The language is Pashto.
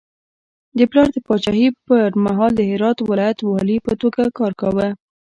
د پلار د پاچاهي پر مهال د هرات ولایت والي په توګه کار کاوه.